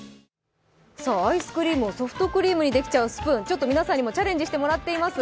アイスクリームをソフトクリームにできちゃうスプーン、ちょっと皆さんにもチャレンジしてもらっています。